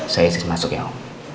saya sih masuk ya om